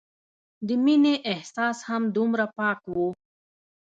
د مينې احساس هم دومره پاک وو